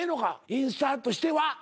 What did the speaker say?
インスタとしては。